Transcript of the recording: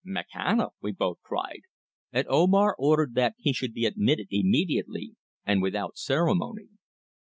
"Makhana!" we both cried, and Omar ordered that he should be admitted immediately, and without ceremony.